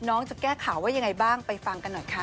จะแก้ข่าวว่ายังไงบ้างไปฟังกันหน่อยค่ะ